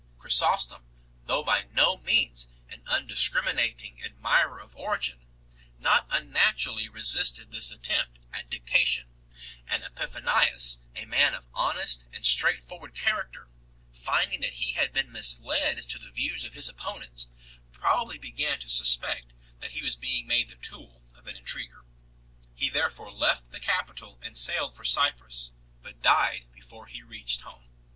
Chrysostom, though by no means an undiscriminating ad mirer of Origen, not unnaturally resisted this attempt at dictation, and Epiphanius, a man of honest and straight forward character, finding that he had been misled as to the views of his opponents 3 , probably began to suspect that he was being made the tool of an intriguer. He therefore left the capital and sailed for Cyprus, but died before he reached home.